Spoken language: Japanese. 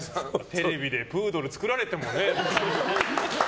テレビでプードル作られてもね。